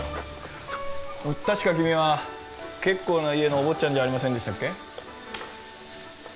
確か君は結構な家のお坊ちゃんじゃありませんでしたっけ？